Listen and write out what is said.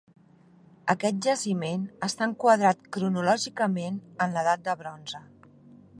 Aquest jaciment està enquadrat cronològicament en l'Edat del Bronze.